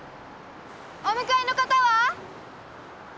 お迎えの方は？